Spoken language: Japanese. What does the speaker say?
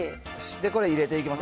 これ入れていきます。